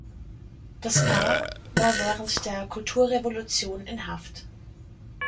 Das Paar war während der Kulturrevolution in Haft.